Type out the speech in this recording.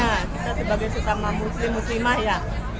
ya kita sebagai sesama muslim muslimah ya